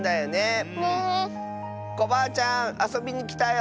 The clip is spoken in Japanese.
コバアちゃんあそびにきたよ！